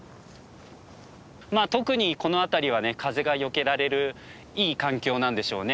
特にこの辺りはね風がよけられるいい環境なんでしょうね。